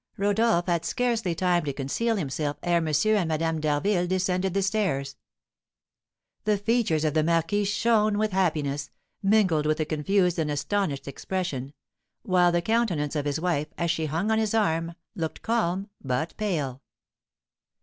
Rodolph had scarcely time to conceal himself ere M. and Madame d'Harville descended the stairs. The features of the marquis shone with happiness, mingled with a confused and astonished expression, while the countenance of his wife, as she hung on his arm, looked calm but pale.